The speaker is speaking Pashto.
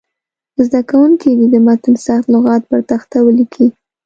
زده کوونکي دې د متن سخت لغات پر تخته ولیکي.